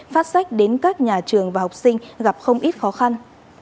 phát sách đến các nhà trường và học sinh gặp không ít khó khăn